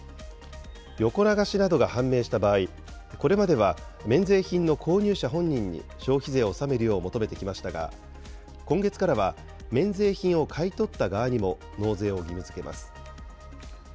横流しなどが判明した場合、これまでは免税品の購入者本人に消費税を納めるよう求めてきましたが、今月からは免税品を買い取った側にも納税を義務づけます。